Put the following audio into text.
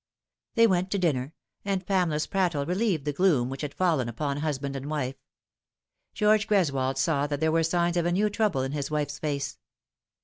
They went to dinner, and Pamela's prattle relieved the gloom which had fallen upon husband and wife. George Greswold saw that there were signs of a new trouble in his wife's face.